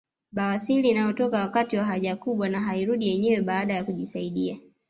Bawasiri inayotoka wakati wa haja kubwa na hairudi yenyewe baada ya kujisaidia